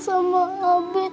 sama abie tante